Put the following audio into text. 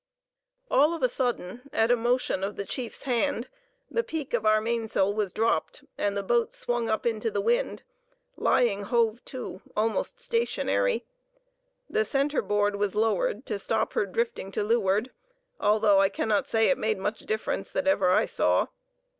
All of a sudden, at a motion of the chief's hand, the peak of our mainsail was dropped, and the boat swung up into the wind, lying "hove to," almost stationary. The centre board was lowered to stop her drifting to leeward, although I cannot say it made much difference that ever I saw.